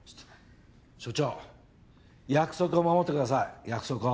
署長約束を守ってください約束を。